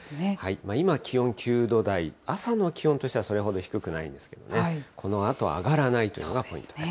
今、気温９度台、朝の気温としてはそれほど低くないんですけどね、このあと上がらないというのがポイントです。